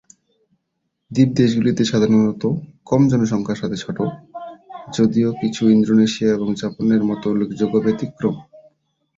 দ্বীপ দেশগুলি সাধারণত কম জনসংখ্যার সাথে ছোট, যদিও কিছু ইন্দোনেশিয়া এবং জাপানের মতো উল্লেখযোগ্য ব্যতিক্রম।